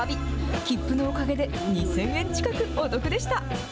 切符のおかげで２０００円近くお得でした。